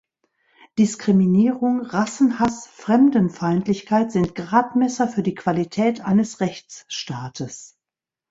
Diskriminierung, Rassenhaß, Fremdenfeindlichkeit sind Gradmesser für die Qualität eines Rechtsstaates.